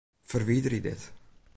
Ferwiderje dit.